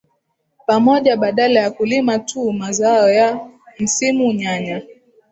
pamoja badala ya kulima tu mazao ya msimu nyanya